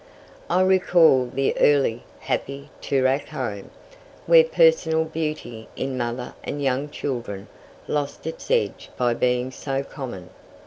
I recall the early, happy, Toorak home, where personal beauty in mother and young children lost its edge by being so common.